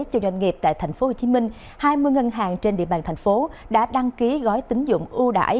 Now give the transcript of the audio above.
cho doanh nghiệp tại tp hcm hai mươi ngân hàng trên địa bàn thành phố đã đăng ký gói tính dụng ưu đải